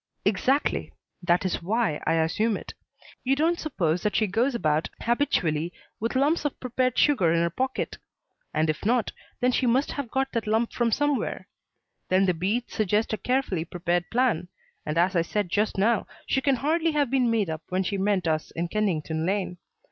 "Exactly. That is why I assume it. You don't suppose that she goes about habitually with lumps of prepared sugar in her pocket. And if not, then she must have got that lump from somewhere. Then the beads suggest a carefully prepared plan, and, as I said just now, she can hardly have been made up when she met us in Kennington Lane.